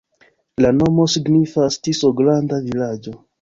La nomo signifas: Tiso-granda-vilaĝo.